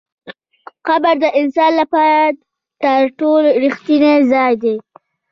قبر د انسان لپاره تر ټولو رښتینی ځای دی.